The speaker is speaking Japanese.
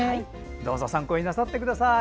どうぞ参考になさってください。